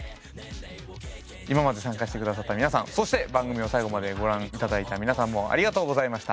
今まで参加してくださった皆さんそして番組を最後までご覧いただいた皆さんもありがとうございました。